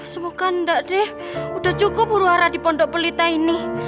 semoga enggak deh udah cukup huru hara di pondok pelita ini